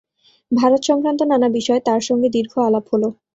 ভারতসংক্রান্ত নানা বিষয়ে তাঁর সঙ্গে দীর্ঘ আলাপ হল।